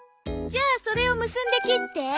じゃあそれを結んで切って。